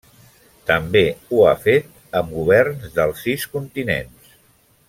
També ho ha fet amb governs dels sis continents.